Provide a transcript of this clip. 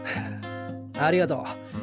ありがとう。